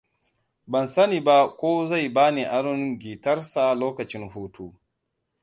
Ban sani ba ko zai bani aron guitarsa lokacin hutu.